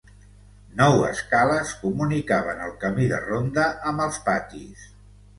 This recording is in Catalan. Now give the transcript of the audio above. Nou escales comunicaven el camí de ronda amb els patis.